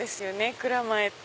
蔵前って。